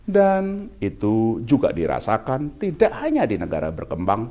dan itu juga dirasakan tidak hanya di negara berkembang